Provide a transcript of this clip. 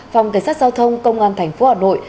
phòng cảnh sát giao thông công an tp hà nội